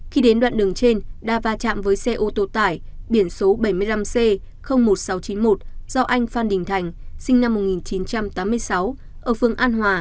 khi đến đoạn đường trên đa va chạm với xe ô tô tải biển số bảy mươi năm c một nghìn sáu trăm chín mươi một do anh phan đình thành sinh năm một nghìn chín trăm tám mươi sáu ở phương an hòa